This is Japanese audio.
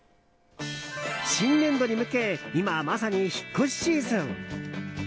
新年度に向け今まさに引っ越しシーズン。